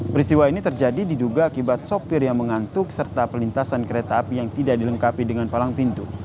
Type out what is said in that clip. peristiwa ini terjadi diduga akibat sopir yang mengantuk serta perlintasan kereta api yang tidak dilengkapi dengan palang pintu